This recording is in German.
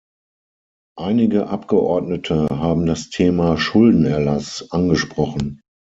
Einige Abgeordnete haben das Thema Schuldenerlass angesprochen.